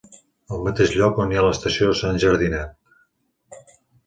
El mateix lloc on hi ha l'estació s'ha enjardinat.